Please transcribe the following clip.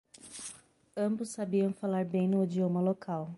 Ambos sabiam falar bem no idioma local.